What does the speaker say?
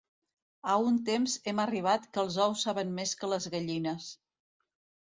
A un temps hem arribat que els ous saben més que les gallines.